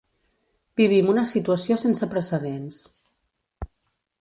Vivim una situació sense precedents.